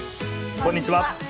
こんにちは。